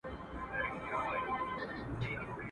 نه خبر په پاچهي نه په تدبير وو.